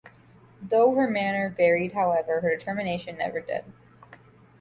Though her manner varied, however, her determination never did.